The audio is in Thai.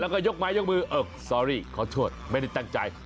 แล้วก็ยกไม้ยกมือโทษขอโทษไม่ได้ตั้งใจ